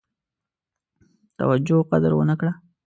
توجه قدر ونه کړه.